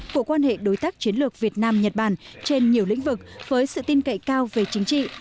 của quan hệ đối tác chiến lược việt nam nhật bản trên nhiều lĩnh vực với sự tin cậy cao về chính trị